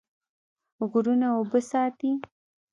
غرونه اوبه ساتي.